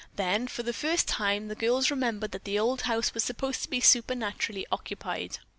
Then, for the first time, the girls remembered that the old house was supposed to be supernaturally occupied.